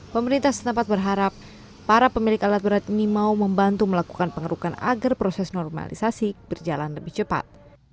pemerintah setempat berharap para pemilik alat berat ini mau membantu melakukan pengerukan agar proses normalisasi berjalan lebih cepat